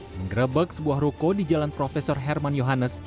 mengerebek sebuah ruko di jalan prof herman yohannes